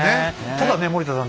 ただね森田探偵